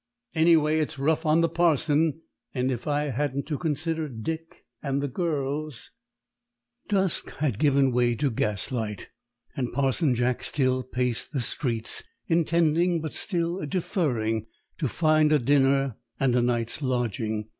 Anyway, it's rough on the Parson, and if I hadn't to consider Dick and the girls " Dusk had given way to gaslight, and Parson Jack still paced the streets, intending but still deferring to find a dinner and a night's lodging.